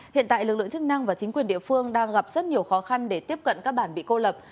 hiện tại lực lượng chức năng và chính quyền địa phương đang gặp rất nhiều khó khăn để tiếp cận các bản bị cô lập